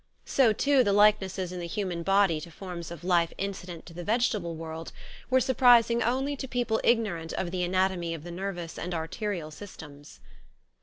So, too, the likenesses in the human body to forms of life incident to the vegetable world, were surprising only to people ignorant of the anatomy of the nervous and arterial systems.